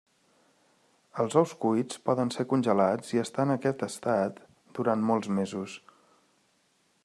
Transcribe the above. Els ous cuits poden ser congelats i estar en aquest estat durant molts mesos.